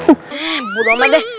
eh budo amat deh